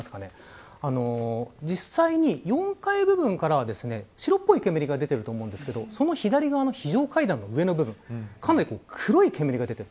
実際に４階部分からは白っぽい煙が出ていると思いますがその左側の非常階段の上の部分かなり黒い煙が出ている。